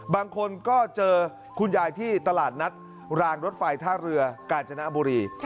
บางคนก็เจอคุณยายที่ตลาดนัดรางรถไฟท่าเรือกาญจนบุรี